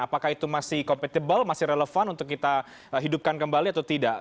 apakah itu masih compatible masih relevan untuk kita hidupkan kembali atau tidak